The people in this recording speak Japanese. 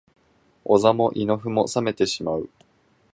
お座も胃の腑も冷めてしまう